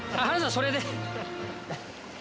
それで。